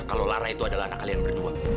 kalau lara itu adalah anak kalian berdua